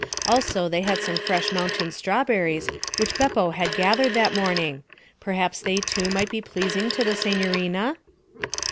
Also they had some fresh mountain strawberries which Beppo had gathered that morning perhaps they too might be pleasing to the signorina?